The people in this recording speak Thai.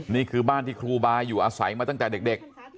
นี่คือบ้านที่ครูบาอยู่อาศัยมาตั้งแต่เด็ก